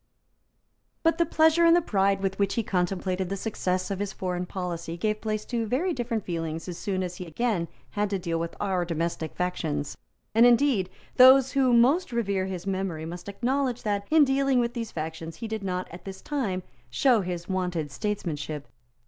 But the pleasure and the pride with which he contemplated the success of his foreign policy gave place to very different feelings as soon as he again had to deal with our domestic factions. And, indeed, those who most revere his memory must acknowledge that, in dealing with these factions, he did not, at this time, show his wonted statesmanship.